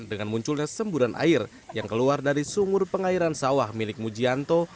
dengan munculnya semburan air yang keluar dari sumur pengairan sawah milik mujianto